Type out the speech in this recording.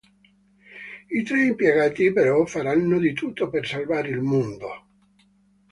I tre impiegati però faranno di tutto per salvare il mondo!